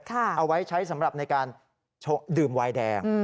เอาไว้ใช้สำหรับในการดื่มวายแดง